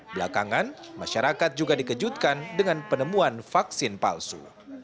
belakangan masyarakat juga dikejutkan dengan penemuan vaksin palsu